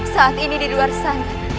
saat ini di luar sangit